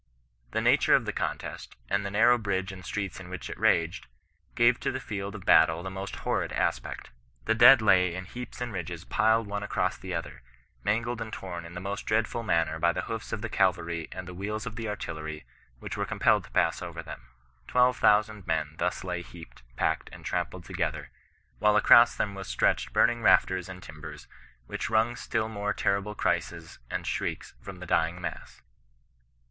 The nature of the contest, and the narrow bridge and streets in which it raged, gave to the field of battle the most horrid aspect. The dead lay in heaps and ridges piled one across the other, mangled and torn in the most dreadful manner by the hoofs of the cavalry and the wheels of the artillery which were compelled to pass over them. Twelve thousand men thus lay heaped, packed, and trampled together, while across them was stretched burning rafters and timbers which wrung still more terrible cries and shrieks from the dying mass.